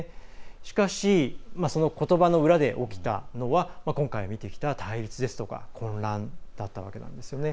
しかしそのことばの裏で起きたのは今回見てきた、対立ですとか混乱だったわけなんですよね。